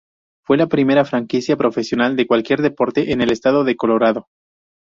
Fue la primera franquicia profesional de cualquier deporte en el estado de Colorado.